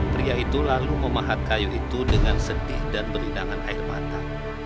pria itu lalu memahat kayu itu dengan sedih dan berindangan air mata